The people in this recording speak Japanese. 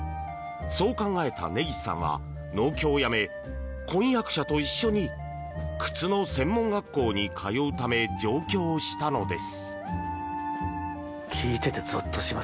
そう考えた根岸さんは農協を辞め婚約者と一緒に靴の専門学校に通うため上京したのです。